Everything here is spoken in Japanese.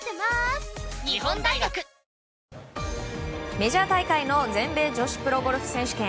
メジャー大会の全米女子プロゴルフ選手権。